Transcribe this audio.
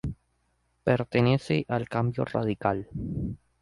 Pertenece al Cambio Radical.